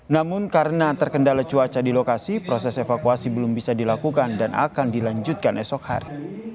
namun karena terkendala cuaca di lokasi proses evakuasi belum bisa dilakukan dan akan dilanjutkan esok hari